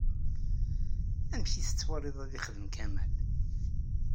Amek i tettwaliḍ ad yexdem Kamal?